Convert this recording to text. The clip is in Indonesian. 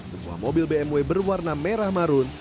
sebuah mobil bmw berwarna merah marun